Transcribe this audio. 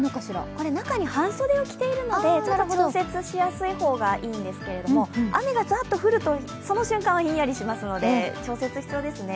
これ中に半袖を着ているので調節しやすい方がいんですけども雨がザッと降ると、その瞬間はひんやりしますので、調節、必要ですね。